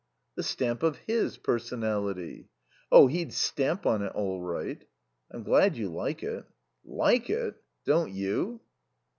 "The stamp of his personality." "Oh, he'd stamp on it all right." "I'm glad you like it." "Like it. Don't you?"